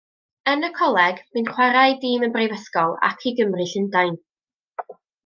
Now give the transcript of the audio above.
Yn y coleg bu'n chwarae i dîm y Brifysgol ac i Gymru Llundain.